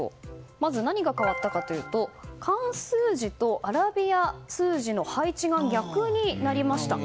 まず、何が変わったかというと漢数字とアラビア数字の配置が逆になりました。